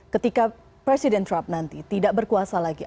ketika presiden trump nanti tidak berkuasa lagi